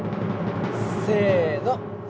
せの！